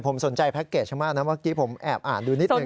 ผมสนใจแพ็กเกจมากนะเมื่อกี้ผมแอบอ่านดูนิดหนึ่ง